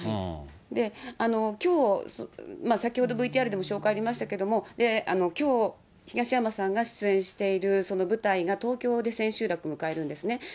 きょう、先ほどＶＴＲでも紹介ありましたけど、きょう、東山さんが出演している舞台が東京で千秋楽迎えるんですね。